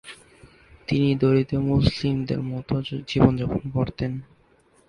তিনি দরিদ্র মুসলিমদের মত জীবনযাপন করতেন।